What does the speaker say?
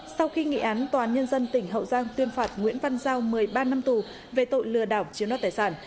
sau khi nghị án tòa án nhân dân tỉnh hậu giang tuyên phạt nguyễn văn giao một mươi ba năm tù về tội lừa đảo chiếm đoạt tài sản